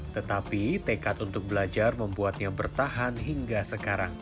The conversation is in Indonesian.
tetapi tekad untuk belajar membuatnya bertahan hingga sekarang